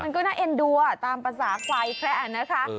มันก็น่าเอ็นดัวตามภาษาไขวแคะนนะคะ